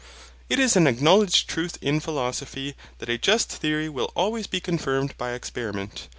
It is an acknowledged truth in philosophy that a just theory will always be confirmed by experiment.